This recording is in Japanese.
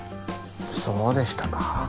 そうでしたか。